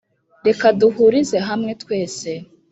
Reka duhurize hamwe twese